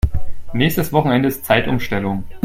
Nächstes Wochenende ist Zeitumstellung.